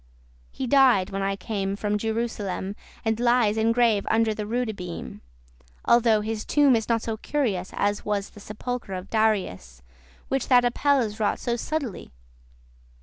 <20> He died when I came from Jerusalem, And lies in grave under the *roode beam:* *cross* Although his tomb is not so curious As was the sepulchre of Darius, Which that Apelles wrought so subtlely.